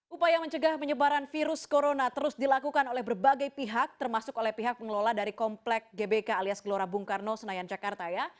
upaya mencegah penyebaran virus corona terus dilakukan oleh berbagai pihak termasuk oleh pihak pengelola dari komplek gbk alias gelora bung karno senayan jakarta ya